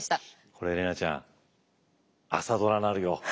これ怜奈ちゃん「朝ドラ」なるよ。